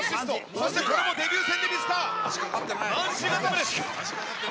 そしてこれもデビュー戦で見せた卍固め。